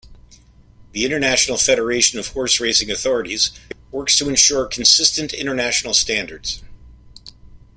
The International Federation of Horseracing Authorities works to ensure consistent international standards.